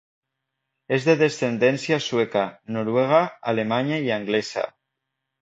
És de descendència sueca, noruega, alemanya i anglesa.